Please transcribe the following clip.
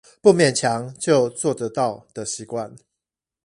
不勉強就做得到的習慣